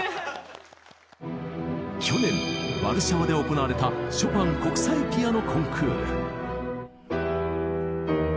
去年ワルシャワで行われたショパン国際ピアノ・コンクール。